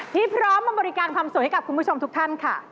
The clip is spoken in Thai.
ที่พร้อมมาบริการความสวยให้กับคุณผู้ชมทุกท่านค่ะ